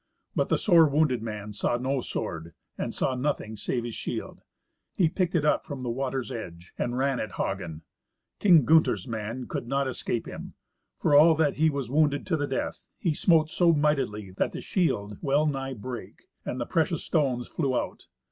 But the sore wounded man saw no sword, and had nothing save his shield. He picked it up from the water's edge and ran at Hagen. King Gunther's man could not escape him. For all that he was wounded to the death, he smote so mightily that the shield well nigh brake, and the precious stones flew out.